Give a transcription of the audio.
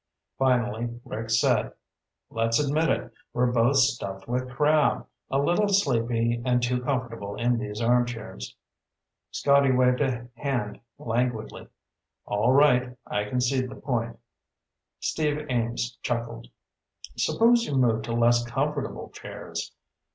Finally Rick said, "Let's admit it. We're both stuffed with crab, a little sleepy, and too comfortable in these armchairs." Scotty waved a hand languidly. "All right. I concede the point." Steve Ames chuckled. "Suppose you move to less comfortable chairs.